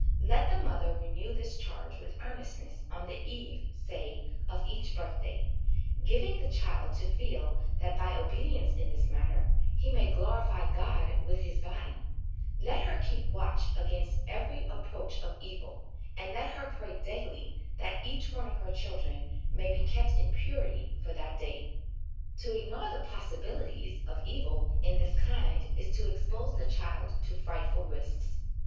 Let the mother renew this charge with earnestness on the eve, say, of each birthday, giving the child to feel that by obedi ence in this matter he may glorify God with his body ; let her keep watch against every approach of evil ; and let her pray daily that each one of her children 'HABIT IS TEN NATURES' 1 29 may be kept in purity for that day. To ignore the possibilities of evil in this kind is to expose the child to frightful risks.